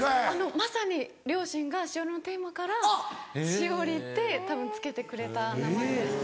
まさに両親が『栞のテーマ』から栞里って付けてくれた名前です。